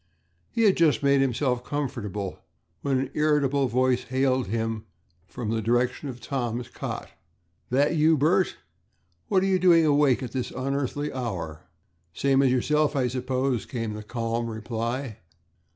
He had just made himself comfortable when an irritable voice hailed him from the direction of Tom's cot: "That you, Bert? What are you doing awake at this unearthly hour?" "Same as yourself, I suppose," came the calm reply.